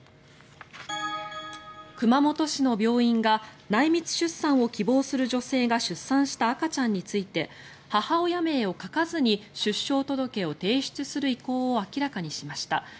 熊本市の病院が内密出産を希望する女性が出産した赤ちゃんについて母親名を書かずに出生届を提出する意向を明らかにしました。